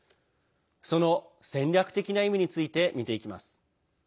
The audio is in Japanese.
その戦略的な意味について見ていきます。